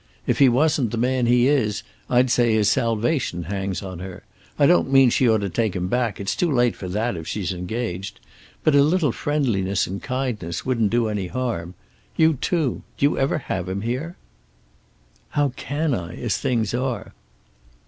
If he wasn't the man he is, I'd say his salvation hangs on her. I don't mean she ought to take him back; it's too late for that, if she's engaged. But a little friendliness and kindness wouldn't do any harm. You too. Do you ever have him here?" "How can I, as things are?"